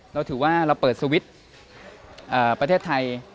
เราถือว่าเราเปิดสวิตช์ประเทศไทย